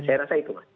saya rasa itu